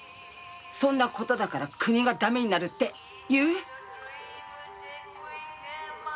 「そんな事だから国が駄目になる」って言う？